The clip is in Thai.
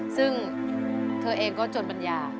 ซึ่งเธอเองก็จนปัญญา